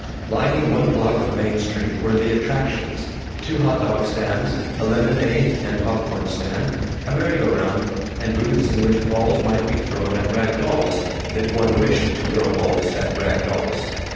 Lining one block of Main Street were the "attractions" two hot dog stands, a lemonade and pop corn stand, a merry go round, and booths in which balls might be thrown at rag dolls, if one wished to throw balls at rag dolls.